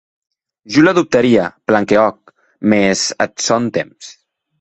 Jo l’adoptaria, plan que òc, mès ath sòn temps.